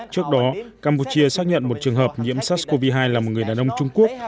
trước đó campuchia xác nhận một trường hợp nhiễm sars cov hai là một người đàn ông trung quốc